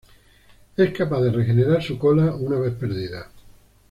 Es capaz de regenerar su cola una vez perdida.